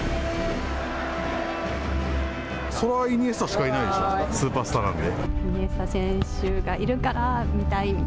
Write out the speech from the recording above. そりゃ、イニエスタしかいないですよ、スーパースターなんで。